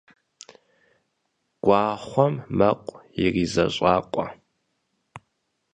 Гуахъуэм мэкъу иризэщӀакъуэ.